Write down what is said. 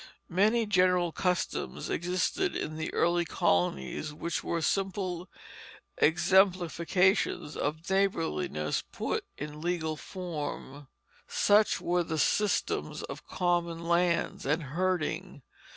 Many general customs existed in the early colonies which were simply exemplifications of neighborliness put in legal form. Such were the systems of common lands and herding.